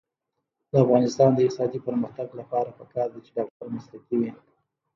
د افغانستان د اقتصادي پرمختګ لپاره پکار ده چې ډاکټر مسلکي وي.